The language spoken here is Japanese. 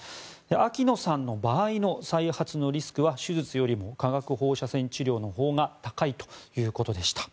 秋野さんの場合の再発のリスクは手術よりも化学放射線治療のほうが高いということでした。